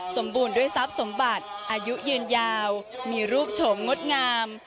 สมบูรณ์ด้วยทรัพย์สมบัติอายุยืนยาวมีรูปโฉมงดงาม